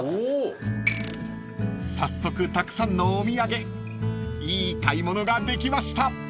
［早速たくさんのお土産いい買い物ができました］